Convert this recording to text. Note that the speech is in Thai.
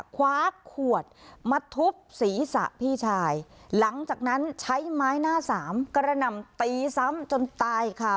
คว้าขวดมาทุบศีรษะพี่ชายหลังจากนั้นใช้ไม้หน้าสามกระหน่ำตีซ้ำจนตายค่ะ